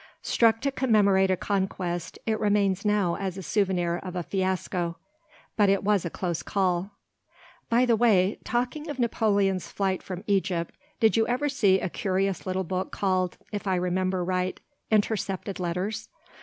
Struck to commemorate a conquest, it remains now as a souvenir of a fiasco. But it was a close call. By the way, talking of Napoleon's flight from Egypt, did you ever see a curious little book called, if I remember right, "Intercepted Letters"?